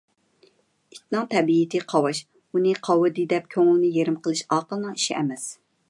ئىتنىڭ تەبىئىتى قاۋاش. ئۇنى قاۋىدى دەپ، كۆڭۈلنى يېرىم قىلىش ئاقىلنىڭ ئىشى ئەمەس.